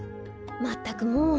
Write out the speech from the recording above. まったくもう。